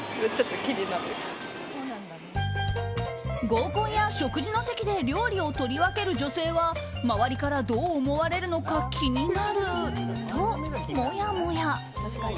合コンや食事の席で料理を取り分ける女性は周りからどう思われるのか気になると、もやもや。